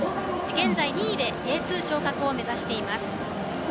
現在２位でＪ２昇格を目指しています。